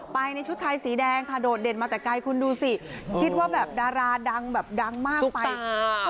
ในชุดไทยสีแดงค่ะโดดเด่นมาแต่ไกลคุณดูสิคิดว่าแบบดาราดังแบบดังมากไป